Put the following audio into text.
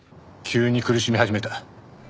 急に苦しみ始めた。